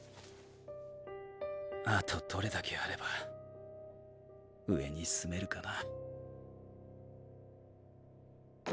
あとどれだけあれば上に進めるかな。